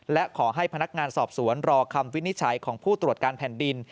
และขอให้พนักงานสอบสวนรอคำวินิจฉัยของผู้ตรวจการแผ่นดิน